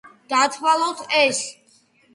დავთვალოთ ეს.